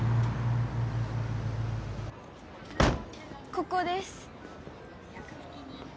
ここです。